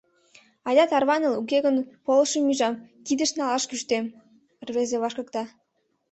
Айда, тарваныл, уке гын полышым ӱжам, кидыш налаш кӱштем! — рвезым вашкыкта.